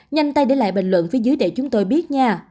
nhanh tay để lại bình luận phía dưới để chúng tôi biết nhà